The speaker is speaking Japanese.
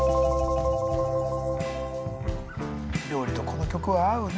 料理とこの曲は合うね。